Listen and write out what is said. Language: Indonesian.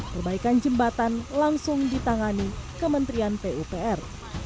perbaikan jembatan langsung ditangani kementerian pupr